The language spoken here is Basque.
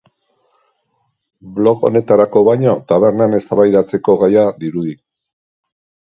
Blog honetarako baino tabernan eztabaidatzeko gaia dirudi.